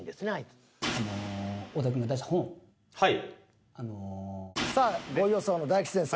はい。